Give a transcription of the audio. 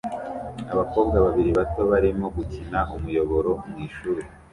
Abakobwa babiri bato barimo gukina umuyoboro mwishuri